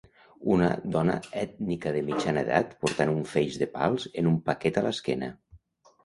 Una dona ètnica de mitjana edat portant un feix de pals en un paquet a l'esquena.